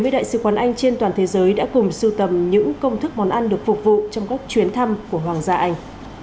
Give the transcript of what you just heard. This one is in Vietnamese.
với đại sứ quán anh trên toàn thế giới đã cùng sưu tầm những công thức món ăn được phục vụ trong các chuyến thăm của hoàng gia anh